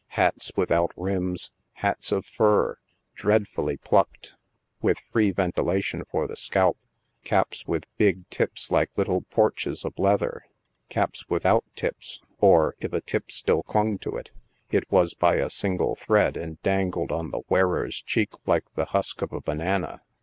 Hats without rims — hats of far, dread fully plucked — with free ventilation for the scalp — caps with big tips like little porches of leather — caps without tips, or, if a tip still clung to it, it was by a single thread and dangled on the wearers cheek like the husk of a banana.